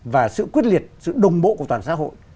và sự quyết liệt sự đồng bộ của toàn xã hội